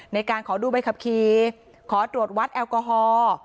ในการขอดูใบขับขี่ขอตรวจวัดแอลกอฮอล์